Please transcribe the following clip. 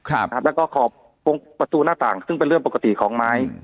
แล้วก็ขอบตรงประตูหน้าต่างซึ่งเป็นเรื่องปกติของไม้